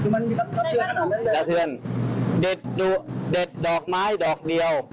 มันมีความสะเทือนหรือเปล่าเดี๋ยวสะเทือนเด็ดดอกไม้ดอกเดียว